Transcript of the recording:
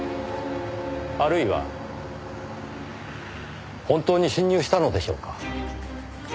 あるいは本当に侵入したのでしょうか？